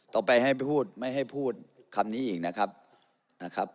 ต่อไปให้พูดไม่ให้พูดคำนี้อีกนะครับนะครับ